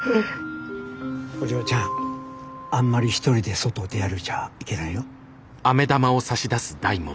お嬢ちゃんあんまり１人で外を出歩いちゃいけないよ。